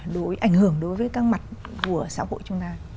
đối với ảnh hưởng đối với các mặt của xã hội chúng ta